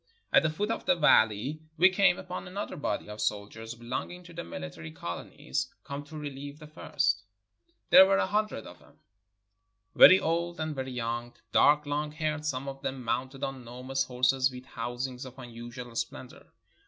At the foot of the valley we came upon another body of soldiers belonging to the military colonies, come to relieve the first. There 326 ONE DAY IN MOROCCO were a hundred of them, very old and very young, dark, long haired, some of them mounted on enormous horses with housings of unusual splendor.